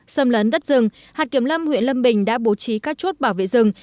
xâm lấn đất rừng hạt kiểm lâm huyện lâm bình đã bố trí các chốt bảo vệ rừng